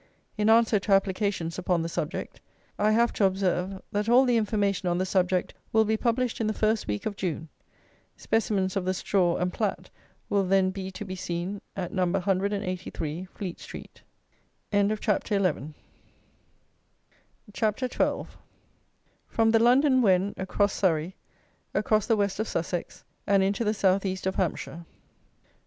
In answer to applications upon the subject, I have to observe, that all the information on the subject will be published in the first week of June. Specimens of the straw and plat will then be to be seen at No. 183, Fleet Street. FROM THE (LONDON) WEN ACROSS SURREY, ACROSS THE WEST OF SUSSEX, AND INTO THE SOUTH EAST OF HAMPSHIRE.